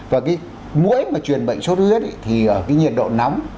và cái mũi mà truyền bệnh sốt ướt thì ở cái nhiệt độ nóng